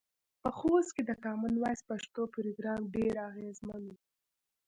په خوست کې د کامن وایس پښتو پروګرام ډیر اغیزمن و.